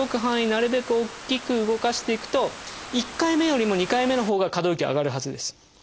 なるべく大きく動かしていくと１回目よりも２回目のほうが可動域上がるはずです。